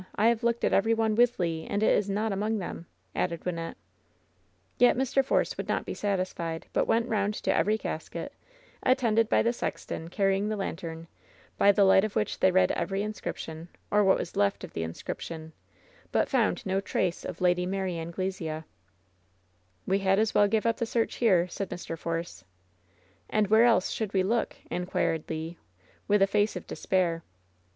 I have looked at every one with Le, and it is not among them/' added Wynnette, Yet Mr. Force would not be satisfied, but went round to every casket, attended by the sexton carrying the lan tern, by the light of which they read every inscription, or what was left of the inscription ; but found no trace of Lady Mary Anglesea, "We had as well give up the search here," said Mr. Force. "And where else should we look ?" inquired Le, with! a face of despair.